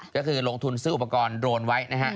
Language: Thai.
ก็คือลงทุนซื้ออุปกรณ์โดรนไว้นะฮะ